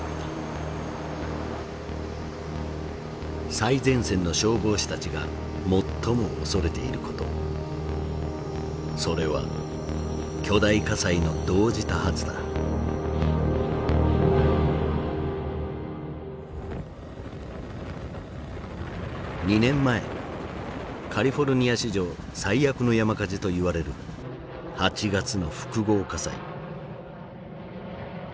最前線の消防士たちが最も恐れていることそれは２年前カリフォルニア史上最悪の山火事といわれる８月の複合火災。